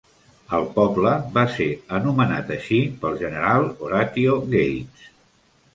El poble va ser anomenat així pel general Horatio Gates.